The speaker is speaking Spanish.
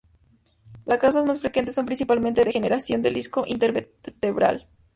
Las causas más frecuentes son principalmente degeneración del disco intervertebral.